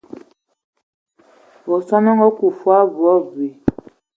Ve son e ngaakud foo abui abui.